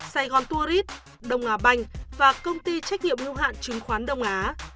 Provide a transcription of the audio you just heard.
sài gòn tourist đông nga banh và công ty trách nhiệm lưu hạn chứng khoán đông á